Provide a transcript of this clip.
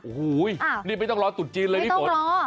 โอ้โหนี่ไม่ต้องรอตรุดจีนเลยนี่ฝนไม่ต้องรอ